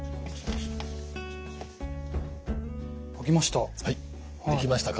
書きました。